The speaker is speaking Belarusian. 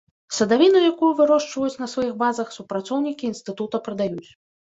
Садавіну, якую вырошчваюць на сваіх базах, супрацоўнікі інстытута прадаюць.